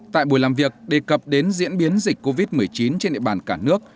tại buổi làm việc đề cập đến diễn biến dịch covid một mươi chín trên địa bàn cả nước